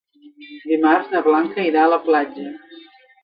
Dimarts na Blanca irà a la platja.